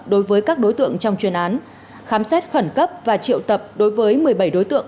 đối với các đối tượng trong chuyên án khám xét khẩn cấp và triệu tập đối với một mươi bảy đối tượng